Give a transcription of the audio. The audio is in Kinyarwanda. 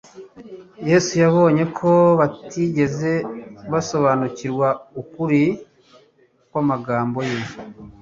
Yesu yabonye ko batigeze basobanukirwa ukuri kw'amagambo ye.